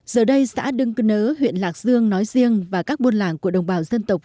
giờ đây xã đưng cư nớ huyện lạc dương nói riêng và các buôn làng của đồng bào dân tộc